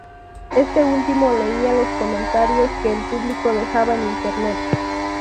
Este último leía los comentarios que el público dejaba en Internet.